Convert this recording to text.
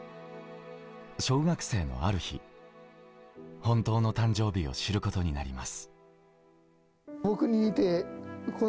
小学生のある日、本当の誕生日を知ることになります。